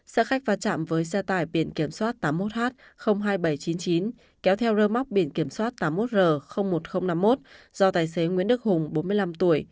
xe khách va chạm với xe tải biển kiểm soát tám mươi một h hai nghìn bảy trăm chín mươi chín kéo theo rơ móc biển kiểm soát tám mươi một r một nghìn năm mươi một do tài xế nguyễn đức hùng bốn mươi năm tuổi